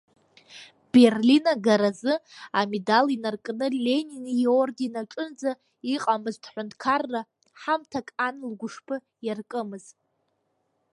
Берлин агаразы амедал инаркны Ленин иорден аҿынӡа иҟамызт ҳәынҭқарра ҳамҭак Ан лгәышԥы иаркымыз.